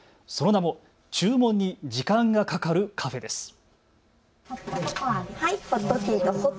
その名も注文に時間がかかるカフェです。